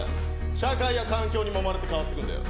社会や環境にもまれて変わってくんだよ。